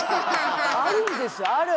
あるんですある！